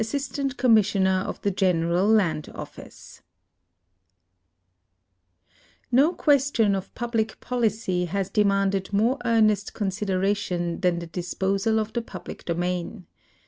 mtanl Commissioner of the Gaicml Land Office No question of public policy has demanded more earnest con sideration than the disi)Osal of the pul)lic domain.